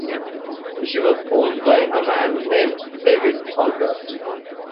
She was owned by a man named David Tolbert.